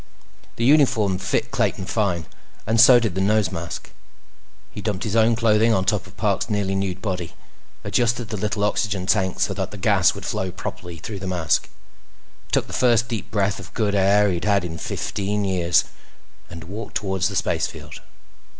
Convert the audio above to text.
The uniform fit Clayton fine, and so did the nose mask. He dumped his own clothing on top of Parks' nearly nude body, adjusted the little oxygen tank so that the gas would flow properly through the mask, took the first deep breath of good air he'd had in fifteen years, and walked toward the spacefield.